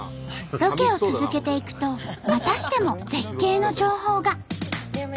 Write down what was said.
ロケを続けていくとまたしても絶景の情報が。